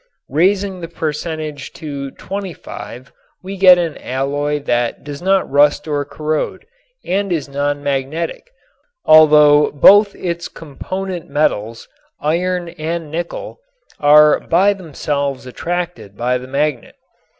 Raising the percentage to 25 we get an alloy that does not rust or corrode and is non magnetic, although both its component metals, iron and nickel, are by themselves attracted by the magnet.